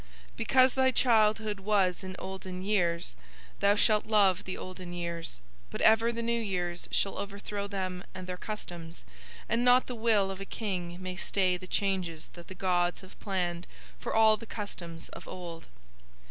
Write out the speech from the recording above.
Because thy childhood was in the olden years thou shalt love the olden years, but ever the new years shall overthrow them and their customs, and not the will of a King may stay the changes that the gods have planned for all the customs of old.